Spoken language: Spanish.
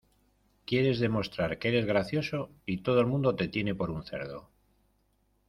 Quieres demostrar que eres gracioso y todo el mundo te tiene por un cerdo.